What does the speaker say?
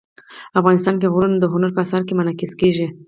افغانستان کې غرونه د هنر په اثار کې منعکس کېږي.